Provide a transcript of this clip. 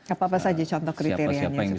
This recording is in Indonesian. apa apa saja contoh kriterianya supaya bisa